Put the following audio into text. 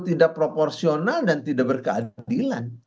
tidak proporsional dan tidak berkeadilan